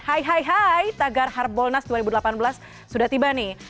hai hai hai tagar harbonas dua ribu delapan belas sudah tiba nih